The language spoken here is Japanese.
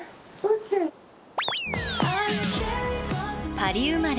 パリ生まれ